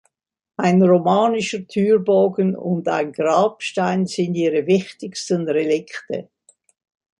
Ein romanischer Türbogen und ein Grabstein sind ihre wichtigsten Relikte.